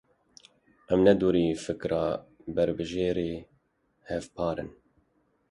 Em ne dûrî fikra berbijêrê hevpar in.